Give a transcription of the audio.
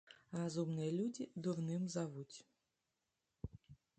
Разумныя людзі дурным завуць.